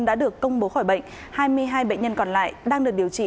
đã được công bố khỏi bệnh hai mươi hai bệnh nhân còn lại đang được điều trị